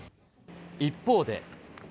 一方で。